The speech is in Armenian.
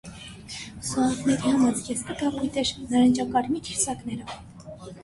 Զուավների համազգեստը կապույտ էր՝ նարնջակարմիր հյուսակներով։